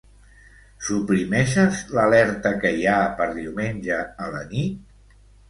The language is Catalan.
Suprimeixes l'alerta que hi ha per diumenge a la nit?